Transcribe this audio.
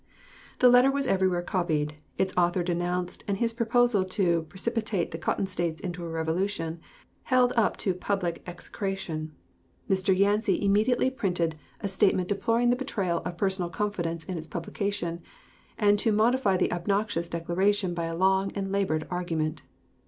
The letter was everywhere copied, its author denounced, and his proposal to "precipitate the Cotton States into a revolution" held up to public execration. Mr. Yancey immediately printed a statement deploring the betrayal of personal confidence in its publication, and to modifiy the obnoxious declaration by a long and labored argument.